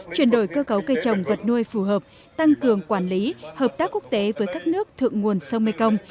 chuyển đổi cơ cấu cây trồng vật nuôi phù hợp tăng cường quản lý hợp tác quốc tế với các nước thượng nguồn sông mekong